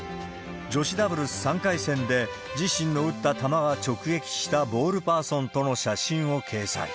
女子ダブルス３回戦で、自身の打った球が直撃したボールパーソンとの写真を掲載。